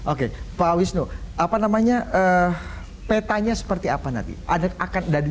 oke pak wisnu apa namanya petanya seperti apa nanti